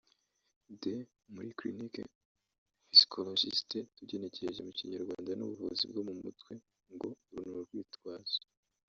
D) muri Clinical Psychologist(tugenekereje mu Kinyarwanda ni ubuvuzi bwo mu mutwe) ngo uru ni urwitwazo